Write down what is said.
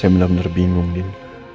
saya benar benar bingung gitu